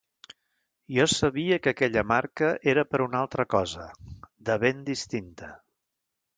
Jo sabia que aquella marca era per una altra cosa, de ben distinta.